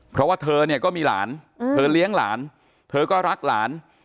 เพราะว่าเธอเนี่ยก็มีหลานเธอเลี้ยงหลานเธอก็รักหลาน